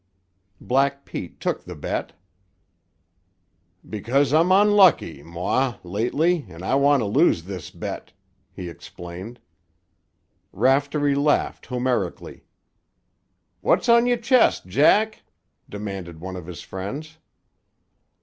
Black Pete took the bet. "Because I'm onlucky, moi, lately, an' I want to lose this bet," he explained. Raftery laughed homerically. "What's on you' chest, Jack?" demanded one of his friends.